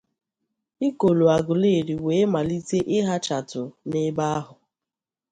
Ikolo Agụleri wee malite ịhachatụ n'ebe ahụ